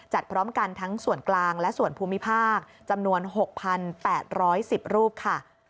พร้อมกันทั้งส่วนกลางและส่วนภูมิภาคจำนวน๖๘๑๐รูปค่ะ